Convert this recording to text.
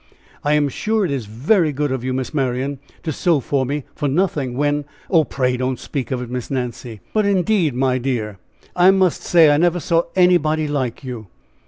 "I am sure it is very good of you, Miss Marian, to sew for me for nothing; when " "Oh, pray, don't speak of it, Miss Nancy." "But indeed, my dear, I must say I never saw anybody like you!